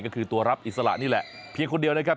ก็คือตัวรับอิสระนี่แหละเพียงคนเดียวนะครับ